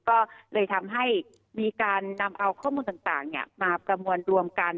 ก็เลยทำให้มีการนำเอาข้อมูลต่างมาประมวลรวมกัน